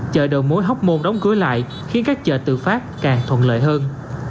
chợ đầu mối hóc môn đóng cửa lại khiến các chợ tự phát càng thuận lợi hơn